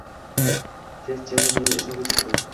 Test javob yana ijobiy chiqdi.